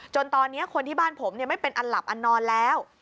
ตอนที่คนที่บ้านผมไม่เป็นอันหลับอันนอนแล้ว